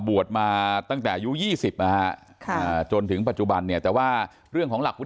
ว่ามันรู้สึกยังไง